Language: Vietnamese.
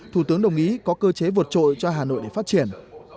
thủ tướng đồng ý có cơ chế vượt trội cho hà nội để phát triển